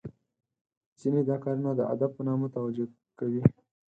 ځینې دا کارونه د ادب په نامه توجه کوي .